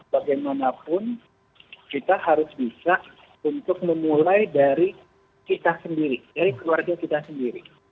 bagaimanapun kita harus bisa untuk memulai dari kita sendiri dari keluarga kita sendiri